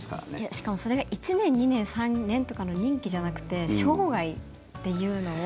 しかも、それが１年、２年３年とかの任期じゃなくて生涯っていうのを。